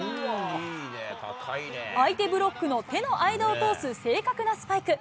相手ブロックの手の間を通す正確なスパイク。